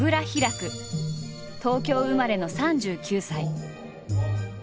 東京生まれの３９歳。